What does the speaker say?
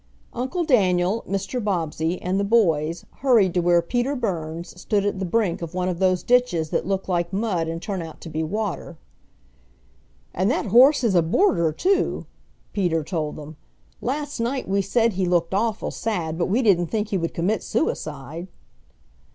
Uncle Daniel, Mr. Bobbsey, and the boys hurried to where Peter Burns stood at the brink of one of those ditches that look like mud and turn out to be water. "And that horse is a boarder too!" Peter told them. "Last night we said he looked awful sad, but we didn't think he would commit suicide."